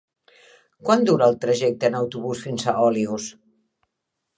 Quant dura el trajecte en autobús fins a Olius?